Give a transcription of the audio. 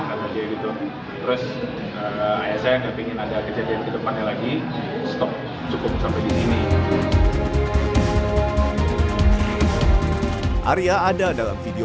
ingin ada kejadian ke depannya lagi stop cukup sampai disini arya ada dalam video